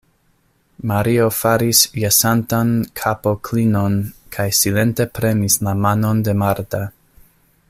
Mario faris jesantan kapoklinon kaj silente premis la manon de Marta.